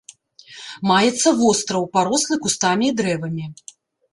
Маецца востраў, парослы кустамі і дрэвамі.